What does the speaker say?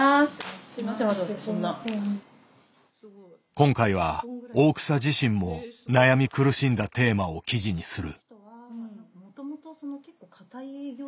今回は大草自身も悩み苦しんだテーマを記事にする。